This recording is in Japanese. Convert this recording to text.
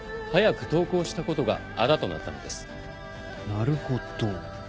なるほど。